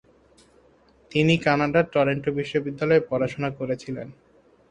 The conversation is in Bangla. তিনি কানাডার টরন্টো বিশ্ববিদ্যালয়ে পড়াশোনা করেছিলেন।